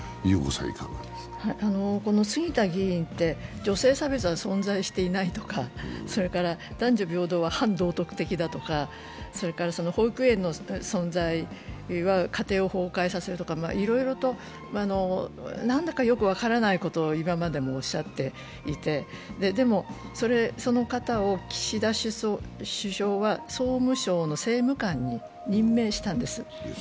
この杉田議員って、女性差別は存在していないとか、男女平等は反道徳的だとか、保育園の存在は家庭を崩壊させるとか、いろいろとなんだかよく分からないことを今までもおっしゃっていてでも、その方を岸田首相は総務省の政務官に任命したんです。